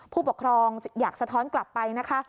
ผู้ปกครองอยากสะท้อนกลับไปนะคะ